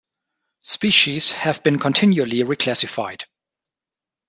Species have been continually reclassified.